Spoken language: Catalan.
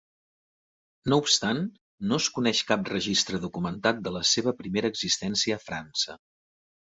No obstant, no es coneix cap registre documentat de la seva primera existència a França.